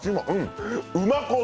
うまこ丼！